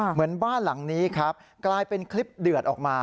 เหมือนบ้านหลังนี้ครับกลายเป็นคลิปเดือดออกมา